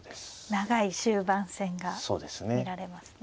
長い終盤戦が見られますね。